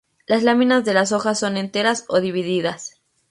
Las láminas de las hojas son enteras o divididas.